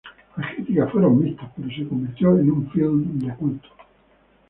Las críticas fueron mixtas, pero se convirtió en un film de culto.